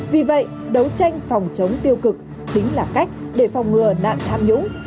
vì vậy đấu tranh phòng chống tiêu cực chính là cách để phòng ngừa nạn tham nhũng